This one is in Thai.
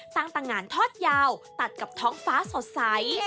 ตั้งแต่งานทอดยาวตัดกับท้องฟ้าสดใส